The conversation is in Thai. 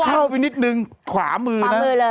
เข้าไปนิดนึงขวามือ